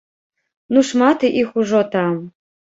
Ну шмат іх ужо там.